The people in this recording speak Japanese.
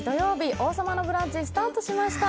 「王様のブランチ」スタートしました。